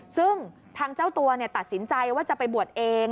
ซึ่งทางเจ้าตัวตัดสินใจว่าจะไปบวชเอง